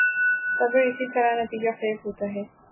صبر اسی طرح نتیجہ خیز ہوتا ہے۔